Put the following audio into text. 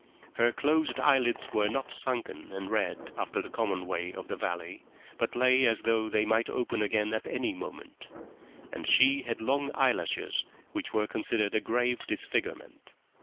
Her closed eyelids were not sunken and red after the common way of the valley, but lay as though they might open again at any moment; and she had long eyelashes, which were considered a grave disfigurement.